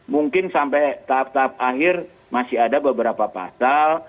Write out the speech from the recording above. mungkin sampai tahap tahap akhir masih ada beberapa pasal